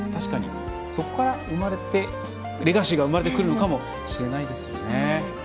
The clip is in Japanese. そこからレガシーが生まれてくるのかもしれないです。